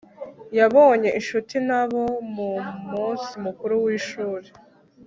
yabonye inshuti nabo mu munsi mukuru w'ishuri